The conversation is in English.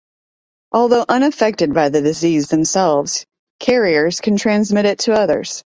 Although unaffected by the disease themselves, carriers can transmit it to others.